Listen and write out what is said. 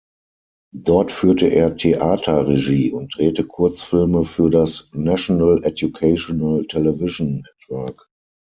Dort führte er Theaterregie und drehte Kurzfilme für das „National Educational Television Network“.